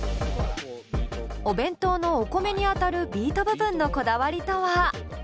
お弁当のお米にあたるビート部分のこだわりとは？